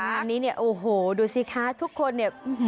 อันนี้โอ้โหดูสิค่ะทุกคน